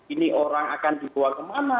ini orang akan dibawa kemana